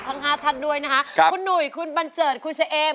กว่าจะจบรายการเนี่ย๔ทุ่มมาก